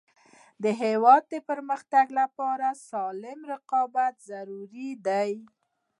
د هیواد د پرمختګ لپاره سالم رقابت ضروري دی.